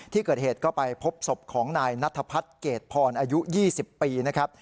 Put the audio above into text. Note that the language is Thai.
ที่เกิดเหตุก็ไปพบศพของนายนัทพัฒน์เกรดพรอายุ๒๐ปีนะครับ